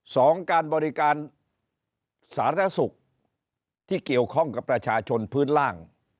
สองการบริการสาธารณสุขที่เกี่ยวข้องกับประชาชนพื้นล่าง